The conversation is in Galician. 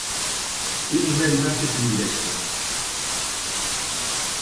Imos ver imaxes en directo.